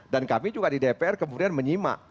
dan kami juga di dpr kemudian menyimak